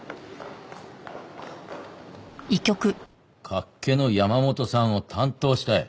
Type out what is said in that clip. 脚気の山本さんを担当したい？